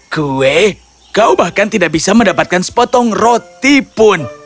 kue kau bahkan tidak bisa mendapatkan sepotong roti pun